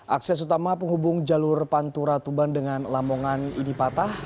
akses utama penghubung jalur pantura tuban dengan lamongan ini patah